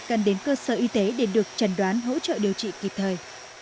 cần đến cơ sở y tế để được trần đoán hỗ trợ điều trị kịp thời